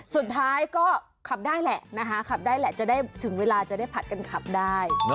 สุดท้ายก็ขับได้แหละนะคะขับได้แหละจะได้ถึงเวลาจะได้ผลัดกันขับได้